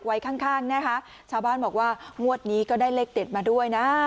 ไว้ข้างข้างนะคะชาวบ้านบอกว่างวดนี้ก็ได้เลขเด็ดมาด้วยนะ